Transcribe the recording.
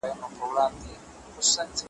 ستا د خوبونو نازولي عطر `